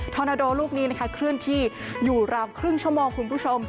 อนาโดลูกนี้นะคะเคลื่อนที่อยู่ราวครึ่งชั่วโมงคุณผู้ชม